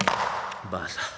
「ばあさん。